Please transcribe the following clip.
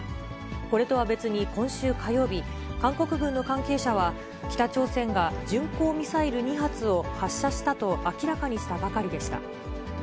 これとは別に今週火曜日、韓国軍の関係者は、北朝鮮が巡航ミサイル２発を発射したと明らかにしたばかりでした。